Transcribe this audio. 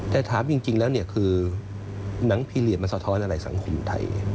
แต่ถามจริงแล้วคือหนังพีเรียสมันสะท้อนอะไรสังคมไทย